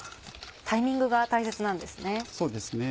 タイミングが大切なんですね。